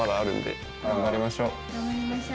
頑張りましょう。